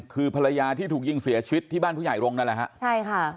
คือภรรยาที่ถูกยิงเสียชีวิตที่บ้านผู้ใหญ่โรงนั่นแหละฮะใช่ค่ะ